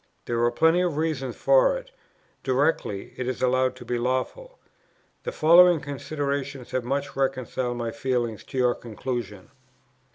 There are plenty of reasons for it, directly it is allowed to be lawful. The following considerations have much reconciled my feelings to your conclusion.